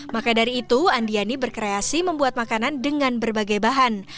maka dari itu andiani berkreasi membuat makanan dengan berbagai bahan